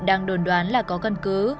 đang đồn đoán là có cân cứ